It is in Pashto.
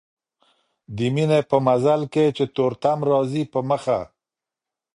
د ميني په مزل کي چي تور تم راځي په مخه